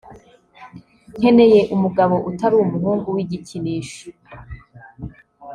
nkeneye umugabo utari umuhungu w’igikinisho